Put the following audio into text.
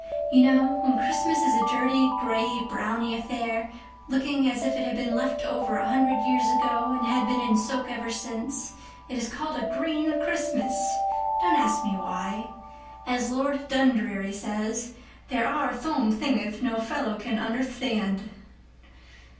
You know, when Christmas is a dirty grayey browney affair, looking as if it had been left over a hundred years ago and had been in soak ever since, it is called a green Christmas! Don't ask me why. As Lord Dundreary says, 'there are thome thingth no fellow can underthtand.